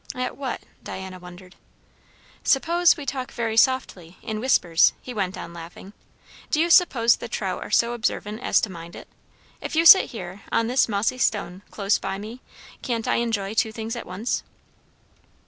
All what? Diana wondered. "Suppose we talk very softly in whispers," he went on, laughing. "Do you suppose the trout are so observant as to mind it? If you sit here, on this mossy stone, close by me, can't I enjoy two things at once?"